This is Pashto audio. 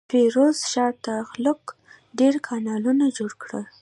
فیروز شاه تغلق ډیر کانالونه جوړ کړل.